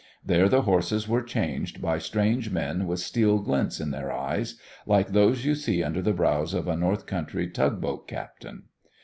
There the horses were changed by strange men with steel glints in their eyes, like those you see under the brows of a north country tug boat captain.